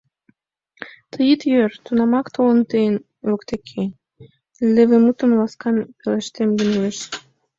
Тый ит ӧр, тунамак, толын тыйын воктеке, Леве мутым ласкан пелештем гын уэш.